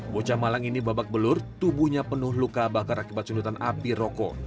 bocah malang ini babak belur tubuhnya penuh luka bakar akibat sundutan api rokok